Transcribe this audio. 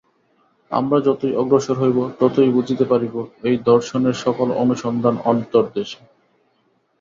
আমরা যতই অগ্রসর হইব, ততই বুঝিতে পারিব, এই দর্শনের সকল অনুসন্ধান অন্তর্দেশে।